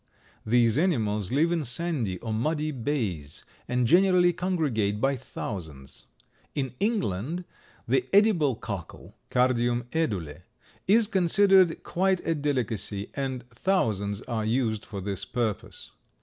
These animals live in sandy or muddy bays, and generally congregate by thousands. In England, the edible cockle (Cardium edule) is considered quite a delicacy and thousands are used for this purpose.